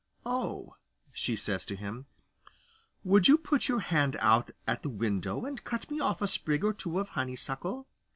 'Oh,' says she to him, 'would you put your hand out at the window and cut me off a sprig or two of honeysuckle?